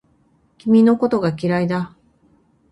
君のことが嫌いだ